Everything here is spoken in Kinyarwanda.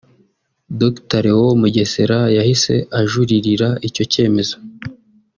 Dr Léon Mugesera yahise ajuririra icyo cyemezo